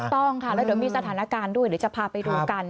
ต้องค่ะแล้วเดี๋ยวมีสถานการณ์ด้วยเดี๋ยวจะพาไปดูกัน